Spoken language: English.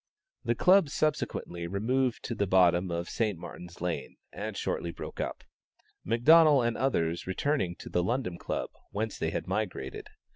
The Club subsequently removed to the bottom of St. Martin's Lane, and shortly broke up, McDonnell and others returning to the London Club, whence they had migrated.